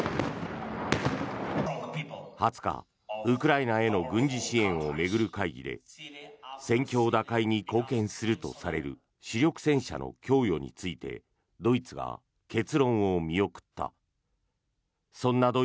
２０日、ウクライナへの軍事支援を巡る会議で戦況打開に貢献するとされる主力戦車の供与についてピックアップ